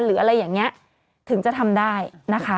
หรืออะไรอย่างนี้ถึงจะทำได้นะคะ